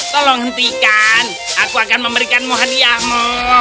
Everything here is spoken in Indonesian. tolong hentikan aku akan memberikanmu hadiahmu